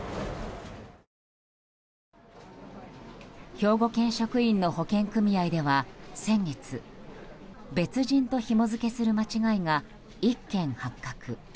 兵庫県職員の保険組合では先月別人とひも付けする間違いが１件発覚。